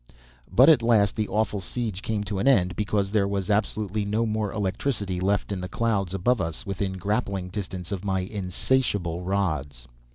But at last the awful siege came to an end because there was absolutely no more electricity left in the clouds above us within grappling distance of my insatiable rods.